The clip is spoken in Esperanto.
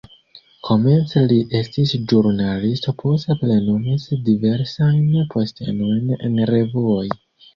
Komence li estis ĵurnalisto, poste plenumis diversajn postenojn en revuoj.